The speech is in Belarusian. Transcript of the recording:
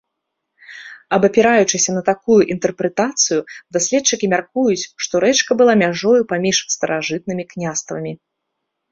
Абапіраючыся на такую інтэрпрэтацыю, даследчыкі мяркуюць, што рэчка была мяжою паміж старажытнымі княствамі.